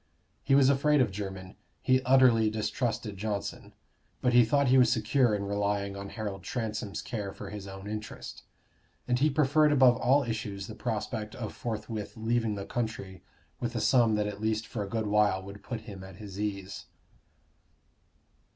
He was afraid of Jermyn; he utterly distrusted Johnson; but he thought he was secure in relying on Harold Transome's care for his own interest; and he preferred above all issues the prospect of forthwith leaving the country with a sum that at least for a good while would put him at his ease.